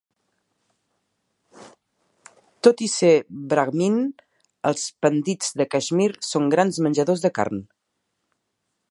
Tot i ser Brahmin, els Pandits de Caixmir són grans menjadors de carn.